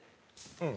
うん。